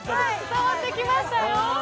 伝わってきましたよ。